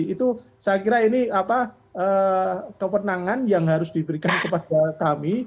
itu saya kira ini kewenangan yang harus diberikan kepada kami